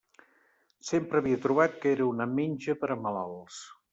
Sempre havia trobat que era una menja per a malalts.